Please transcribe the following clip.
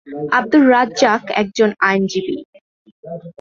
আবদুর রাজ্জাক একজন আইনজীবী।